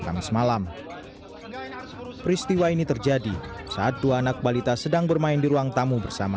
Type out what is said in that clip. kamis malam peristiwa ini terjadi saat dua anak balita sedang bermain di ruang tamu bersama